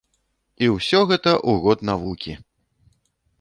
І ўсё гэта ў год навукі!